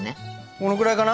このぐらいかな？